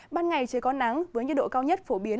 ban ngày trời có nắng với nhiệt độ cao nhất phổ biến